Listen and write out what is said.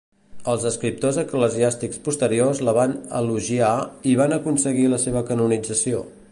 Els escriptors eclesiàstics posteriors la van elogiar i van aconseguir la seva canonització.